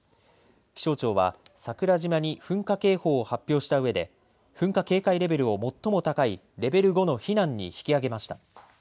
気象庁は桜島に噴火警報を発表したうえで噴火警戒レベルを最も高いレベル５の避難に引き上げました。